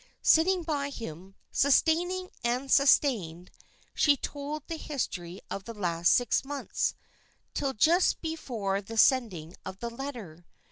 Sitting by him, sustaining and sustained, she told the history of the last six months, till just before the sending of the letter.